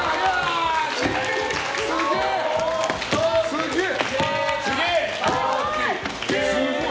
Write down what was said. すげえ！